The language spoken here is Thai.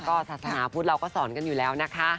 ก็ศาสนาพุทธเราก็สอนกันอยู่แล้วนะคะ